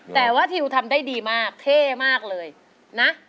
แต่ว่าทิวทำได้ดีมากเท่มากเลยนะ